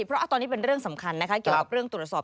เพราะตอนนี้เป็นเรื่องสำคัญนะคะเกี่ยวกับเรื่องตรวจสอบ